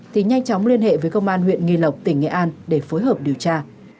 thì nhanh chóng liên hệ với công an huyện nghi lộc tỉnh nghệ an để phối hợp điều tra